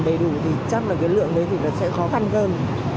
đầy đủ thì chắc là cái lượng đấy thì là sẽ khó khăn hơn